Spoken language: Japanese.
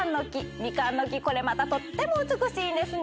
ミカンの木、これまたとっても美しいですね。